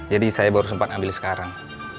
jadi saya baru sempat ambil sekarang